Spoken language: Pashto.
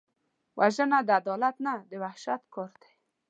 وژنه د عدالت نه، د وحشت کار دی